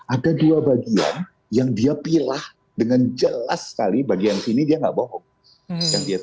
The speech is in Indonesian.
ada dua bagian yang dia pilah dengan jelas sekali bagian sini dia nggak bohong